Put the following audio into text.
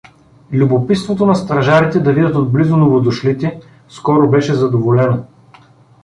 Любопитството на стражарите да видят отблизо новодошлите скоро беше задоволено.